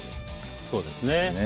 そうですね。